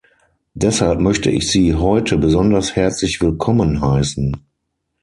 Deshalb möchte ich sie heute besonders herzlich willkommen heißen.